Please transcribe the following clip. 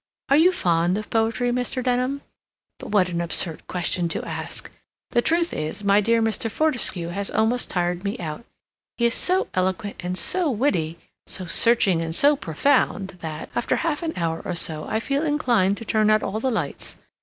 Are you fond of poetry, Mr. Denham? But what an absurd question to ask! The truth is, dear Mr. Fortescue has almost tired me out. He is so eloquent and so witty, so searching and so profound that, after half an hour or so, I feel inclined to turn out all the lights.